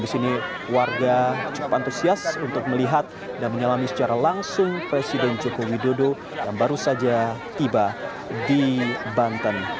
di sini warga cukup antusias untuk melihat dan menyelami secara langsung presiden joko widodo yang baru saja tiba di banten